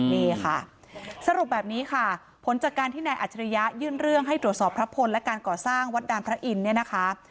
นี่ค่ะสรุปแบบนี้ค่ะผลจากการที่นายอัจฉริยะยื่นเรื่องให้ตรวจสอบพระพลและการก่อสร้างวัดดานพระอินทร์เนี่ยนะคะ